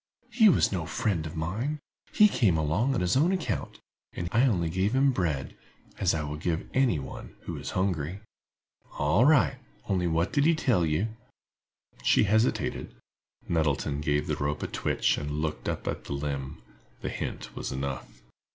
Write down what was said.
"He was no friend of mine; he came along on his own account, and I only gave him bread, as I give any one who is hungry." "All right; only, what did he tell you?" She hesitated. Nettleton gave the rope a twitch, and looked up at the limb. The hint was enough.